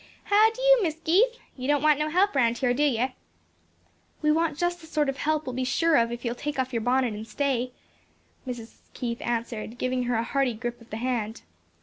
"How d'ye, Mis' Keith? You don't want no help round here, do ye?" "We want just the sort of help we'll be sure of if you'll take off your bonnet and stay," Mrs. Keith answered, giving her a hearty grip of the hand.